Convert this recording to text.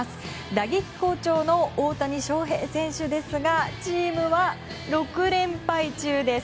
打撃好調の大谷翔平選手ですがチームは６連敗中です。